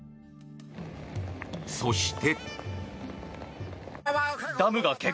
そして。